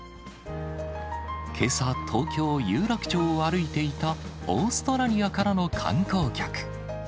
けさ、東京・有楽町を歩いていたオーストラリアからの観光客。